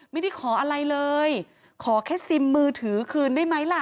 ไม่ได้ขออะไรเลยขอแค่ซิมมือถือคืนได้ไหมล่ะ